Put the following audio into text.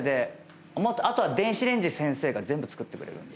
あとは電子レンジ先生が全部作ってくれるんで。